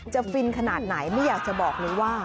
ฟินขนาดไหนไม่อยากจะบอกเลยว่า